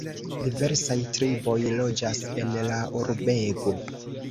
Diversaj triboj loĝas en la urbego.